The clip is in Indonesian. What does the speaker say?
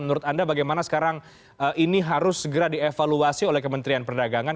menurut anda bagaimana sekarang ini harus segera dievaluasi oleh kementerian perdagangan